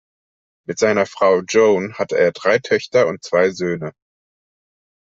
Mit seiner Frau Joan hatte er drei Töchter und zwei Söhne.